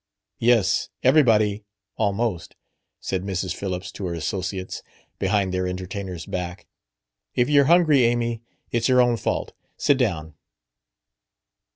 "Yes; everybody almost," said Mrs. Phillips to her associates, behind their entertainer's back. "If you're hungry, Amy, it's your own fault. Sit down."